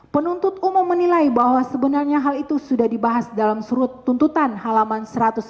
penuntut umum menilai bahwa sebenarnya hal itu sudah dibahas dalam surut tuntutan halaman satu ratus dua puluh